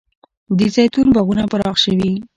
د زیتون باغونه پراخ شوي؟